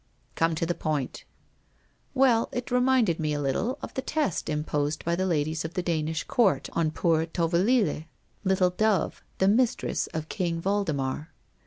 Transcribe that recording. ' Come to the point.' ' Well, it reminded me a little of the test imposed by the ladies of the Danish court on poor Tovelille, Little Dove, the mistress of King Waldemar.